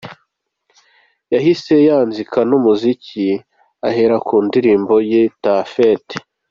Yahise yanzika n’umuziki ahera ku ndirimbo ye ‘Ta Fête’.